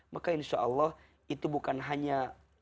maka insya allah itu bukan hanya